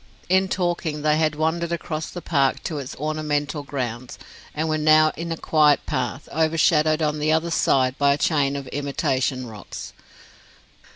In talking they had wandered across the park to its ornamental grounds, and were now in a quiet path, overshadowed on the other side by a chain of imitation rocks.